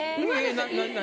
何？